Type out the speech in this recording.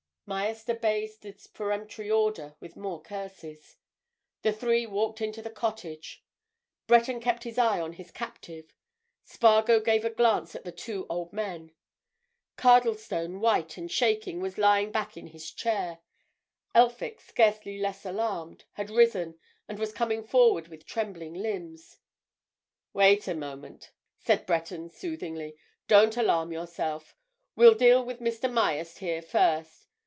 Myerst obeyed this peremptory order with more curses. The three walked into the cottage. Breton kept his eye on his captive; Spargo gave a glance at the two old men. Cardlestone, white and shaking, was lying back in his chair; Elphick, scarcely less alarmed, had risen, and was coming forward with trembling limbs. "Wait a moment," said Breton, soothingly. "Don't alarm yourself. We'll deal with Mr. Myerst here first.